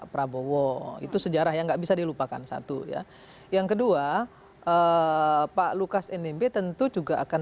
prabowo itu sejarah yang nggak bisa dilupakan satu ya yang kedua pak lukas nmb tentu juga akan